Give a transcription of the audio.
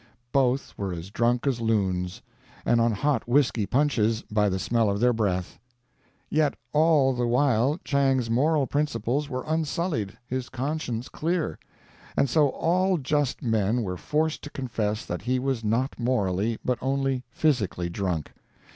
Both were as drunk as loons and on hot whisky punches, by the smell of their breath. Yet all the while Chang's moral principles were unsullied, his conscience clear; and so all just men were forced to confess that he was not morally, but only physically, drunk.